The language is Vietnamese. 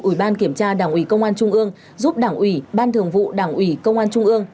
ủy ban kiểm tra đảng ủy công an trung ương giúp đảng ủy ban thường vụ đảng ủy công an trung ương